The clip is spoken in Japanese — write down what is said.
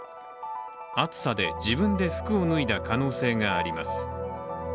暑さで、自分で服を脱いだ可能性があります。